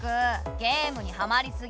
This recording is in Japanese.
ゲームにはまりすぎ。